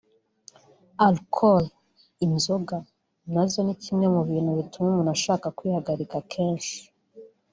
Alcool(inzoga )nazo ni kimwe mu bintu bituma umuntu ashaka kwihagarika kenshi